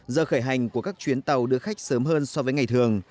giờ khởi hành của các chuyến tàu đưa khách sớm hơn so với ngày thường